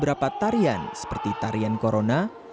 beberapa tarian seperti tarian corona